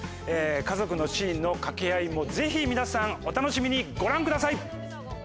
家族のシーンの掛け合いもぜひ皆さんお楽しみにご覧ください！